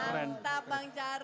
mantap bang charlie